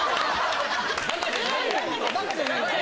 バカじゃないです